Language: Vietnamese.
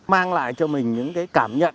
mang lại cho mình những cái cảm nhận